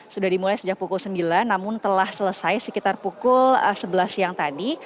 sudah dimulai sejak pukul sembilan namun telah selesai sekitar pukul sebelas siang tadi